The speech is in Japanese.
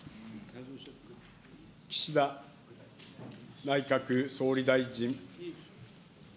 岸田内閣総理大臣。